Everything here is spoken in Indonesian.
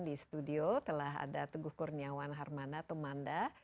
di studio telah ada teguh kurniawan harmanda temanda